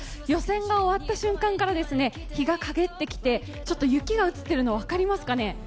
予選が終わった瞬間から日が陰ってきて、ちょっと雪が降ってるの、分かりますかね。